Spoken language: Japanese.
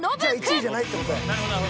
［１位じゃないって事や］